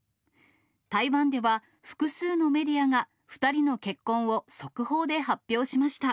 台湾では、複数のメディアが２人の結婚を速報で発表しました。